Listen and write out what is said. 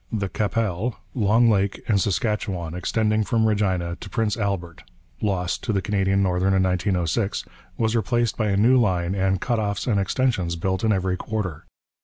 The Qu'Appelle, Long Lake and Saskatchewan, extending from Regina to Prince Albert, lost to the Canadian Northern in 1906, was replaced by a new line and 'cutoffs' and extensions built in every quarter.